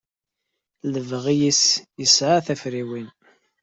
Lebɣi-is yesɛa tafriwin.